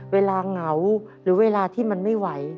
เหงาหรือเวลาที่มันไม่ไหว